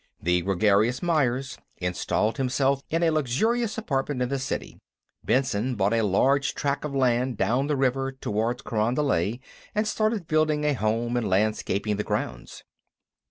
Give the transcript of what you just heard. The gregarious Myers installed himself in a luxurious apartment in the city; Benson bought a large tract of land down the river toward Carondelet and started building a home and landscaping the grounds.